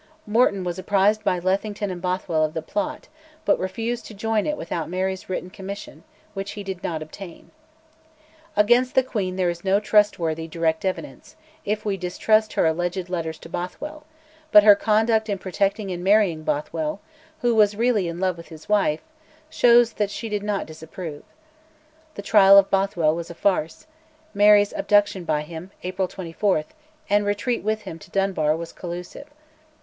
Morton was apprised by Lethington and Bothwell of the plot, but refused to join it without Mary's written commission, which he did not obtain. Against the queen there is no trustworthy direct evidence (if we distrust her alleged letters to Bothwell), but her conduct in protecting and marrying Bothwell (who was really in love with his wife) shows that she did not disapprove. The trial of Bothwell was a farce; Mary's abduction by him (April 24) and retreat with him to Dunbar was collusive.